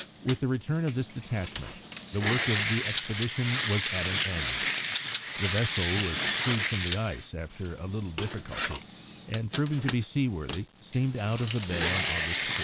With the return of this detachment the work of the expedition was at an end. The vessel was freed from the ice after a little difficulty, and, proving to be seaworthy, steamed out of the bay on August 14.